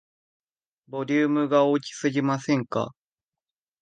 ボリュームが大きすぎませんか